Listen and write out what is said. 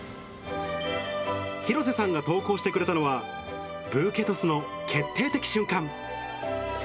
廣瀬さんが投稿してくれたのは、ブーケトスの決定的瞬間。